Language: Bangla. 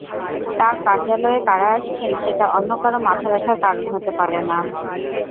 তাঁর কার্যালয়ে কারা আসছেন, সেটা অন্য কারও মাথাব্যথার কারণ হতে পারে না।